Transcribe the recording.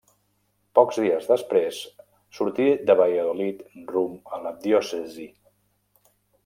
Pocs dies després sortí de Valladolid rumb a la diòcesi.